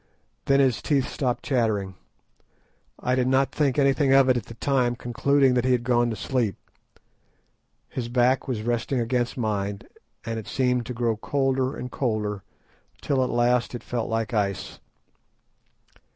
Then his teeth stopped chattering. I did not think anything of it at the time, concluding that he had gone to sleep. His back was resting against mine, and it seemed to grow colder and colder, till at last it felt like ice.